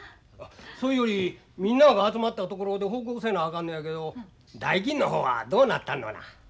そいよりみんなあが集まったところで報告せなあかんのやけど代金の方はどうなったあんのな。